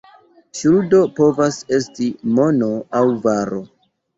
Ŝuldo povas esti mono aŭ varo.